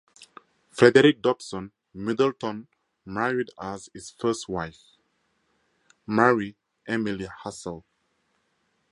Frederick Dobson Middleton married, as his first wife, Mary Emily Hassall.